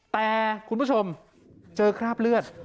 แต่คุณผู้ชมเจอคราบเลือด